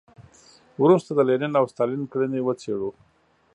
وروسته د لینین او ستالین کړنې وڅېړو.